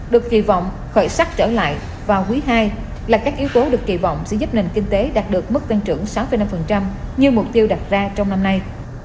được kỳ vọng khởi sắc trở lại vào quý ii là các yếu tố được kỳ vọng sẽ giúp nền kinh tế đạt được mức tăng trưởng sáu năm như mục tiêu đặt ra trong năm nay